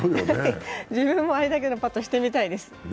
自分もあれだけのパット、してみたいです。